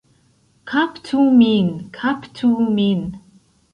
Kaptu min, kaptu min!